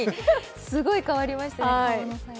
すごい変わりましたね。